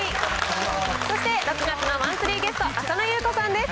そして６月のマンスリーゲスト、浅野ゆう子さんです。